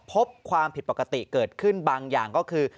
พบความผิดปกติเกิดขึ้นบางอย่างก็คือ